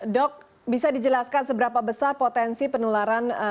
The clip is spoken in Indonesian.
dok bisa dijelaskan seberapa besar potensi penularan